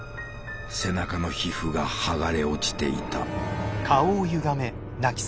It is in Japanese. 背中の皮膚が剥がれ落ちていた。